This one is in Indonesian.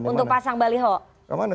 untuk pasang baliho